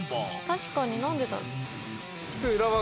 確かに何でだろ。